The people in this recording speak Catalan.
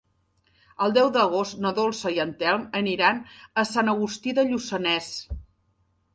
El deu d'agost na Dolça i en Telm aniran a Sant Agustí de Lluçanès.